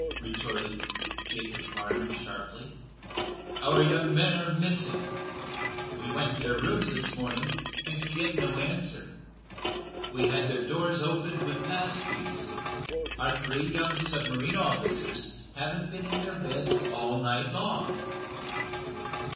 retorted Jacob Farnum, sharply. "Our young men are missing. We went to their rooms this morning, and could get no answer. We've had their doors opened with pass keys our three young submarine officers haven't been in their beds all night long!"